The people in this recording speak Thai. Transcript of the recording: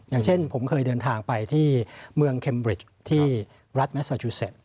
อย่างเช่นผมเคยเดินทางไปที่เมืองเคมบริดที่รัฐแมสซาจูเซต